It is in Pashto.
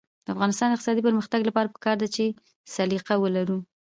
د افغانستان د اقتصادي پرمختګ لپاره پکار ده چې سلیقه ولرو.